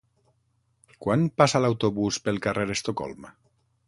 Quan passa l'autobús pel carrer Estocolm?